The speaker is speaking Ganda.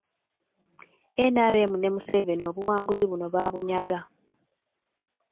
NRM ne Museveni obuwanguzi buno baabunyaga.